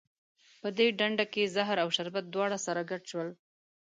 په دې ډنډه کې زهر او شربت دواړه سره ګډ شول.